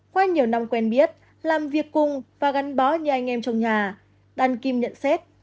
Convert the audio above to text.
qua nhiều năm quen biết làm việc cùng và gắn bó như anh em trong nhà đàn kim nhận xét